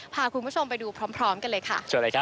พาคุณผู้ชมไปดูพร้อมกันเลยค่ะ